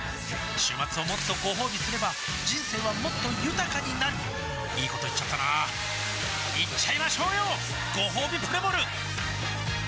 週末をもっとごほうびすれば人生はもっと豊かになるいいこと言っちゃったなーいっちゃいましょうよごほうびプレモル